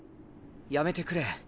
やめてくれ。